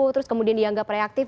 terus kemudian dianggap reaktif